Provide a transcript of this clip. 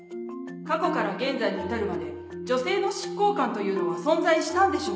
過去から現在に至るまで女性の執行官というのは存在したのでしょうか？